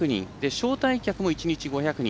招待客も１日５００人。